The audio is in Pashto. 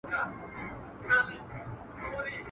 o اول ئې تله، بيا ئې وايه.